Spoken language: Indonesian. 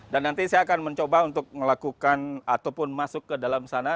dan nanti saya akan mencoba untuk melakukan ataupun masuk ke dalam sana